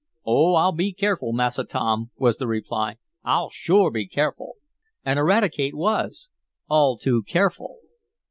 "Oh, I'll be careful, Massa Tom," was the reply. "I'll shore be careful." And Eradicate was all too careful.